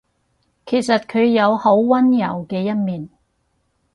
其實佢有好溫柔嘅一面